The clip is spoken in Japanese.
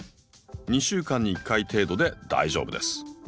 ２週間に１回程度で大丈夫です。